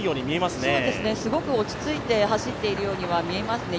すごく落ち着いて走っているように見えますね。